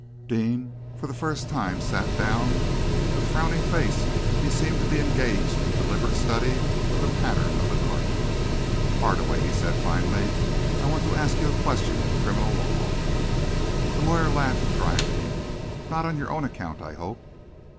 Deane for the first time sat down. With frowning face, he seemed to be engaged in a deliberate study of the pattern of the carpet. "Hardaway," he said finally, "I want to ask you a question in criminal law." The lawyer laughed dryly. "Not on your own account, I hope?"